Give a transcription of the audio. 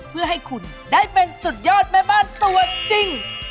เพื่อให้คุณได้เป็นสุดยอดแม่บ้านตัวจริง